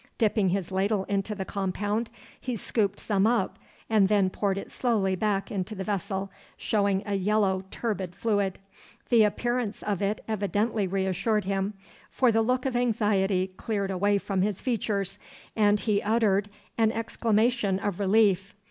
Dipping his ladle into the compound, he scooped some up, and then poured it slowly back into the vessel, showing a yellow turbid fluid. The appearance of it evidently reassured him, for the look of anxiety cleared away from his features, and he uttered an exclamation of relief.